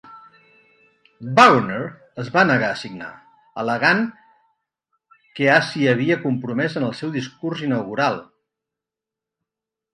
Wagoner es va negar a signar, al·legant que ha s'hi havia compromès en el seu discurs inaugural.